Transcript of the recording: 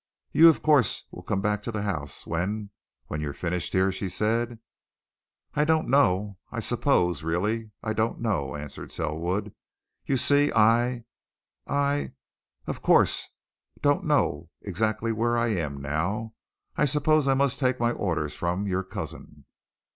"You, of course, will come back to the house when when you've finished here?" she said. "I don't know I suppose really, I don't know," answered Selwood. "You see, I I, of course, don't know exactly where I am, now. I suppose I must take my orders from your cousin."